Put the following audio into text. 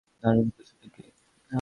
দারুণ খুশি নাকি!